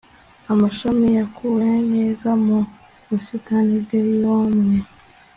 amashami yakuwe neza mu busitani bwe, yumye